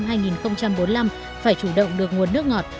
mục tiêu đến năm hai nghìn bốn mươi năm phải chủ động được nguồn nước ngọt